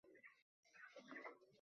দাঁড়াও, কী হচ্ছে?